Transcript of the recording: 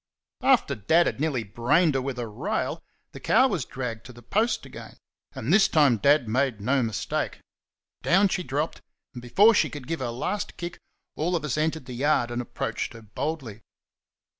After Dad had nearly brained her with a rail the cow was dragged to the post again; and this time Dad made no mistake. Down she dropped, and, before she could give her last kick, all of us entered the yard and approached her boldly.